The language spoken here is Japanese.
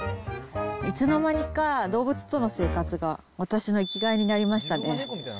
いつの間にか、動物との生活が私の生きがいになりましたね。